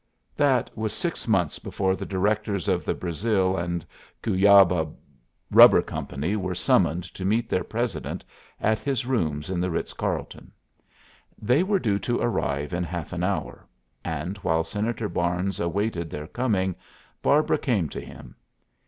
That was six months before the directors of the Brazil and Cuyaba Rubber Company were summoned to meet their president at his rooms in the Ritz Carlton. They were due to arrive in half an hour, and while Senator Barnes awaited their coming Barbara came to him.